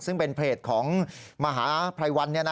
ซึ่งเป็นเพจของมหาภัยวัน